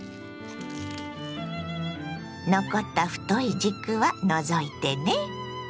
残った太い軸は除いてね。